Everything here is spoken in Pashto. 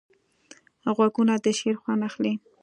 غوږونه د شعر خوند اخلي